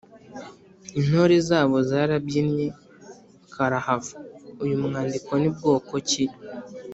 intore zabo zarabyinnye karahavauyu mwandiko ni bwoko ki?